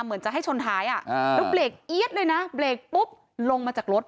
เหมือนจะให้ชนท้ายแล้วเบรกเอี๊ยดเลยนะเบรกปุ๊บลงมาจากรถ